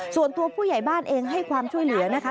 ส่วนตัวผู้ใหญ่บ้านเองให้ความช่วยเหลือนะคะ